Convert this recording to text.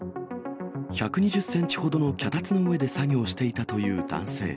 １２０センチほどの脚立の上で作業していたという男性。